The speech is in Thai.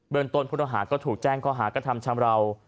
เบิ่นต้นพุทธหารก็ถูกแจ้งข้อหากธรรมชำราว